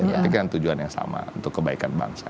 tapi kan tujuan yang sama untuk kebaikan bangsa